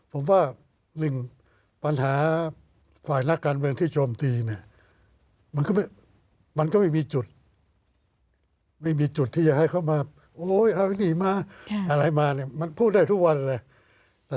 ผมว่าหนึ่งปัญหาฝ่ายนักการเมืองที่โจมตีเนี่ยมันก็ไม่มีจุดไม่มีจุดที่จะให้เขามาโอ้ยเอานี่มาอะไรมาเนี่ยมันพูดได้ทุกวันเลย